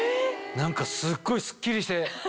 何かすっごいスッキリして。